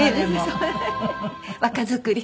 若作り。